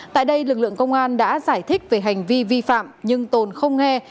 tại đây lực lượng công an đã giải thích về hành vi vi phạm nhưng tồn không nghe